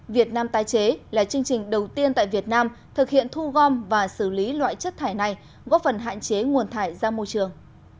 việt nam tái chế là chương trình đầu tiên tại việt nam thực hiện thu gom và xử lý loại chất thải này góp phần hạn chế nguồn thải ra môi trường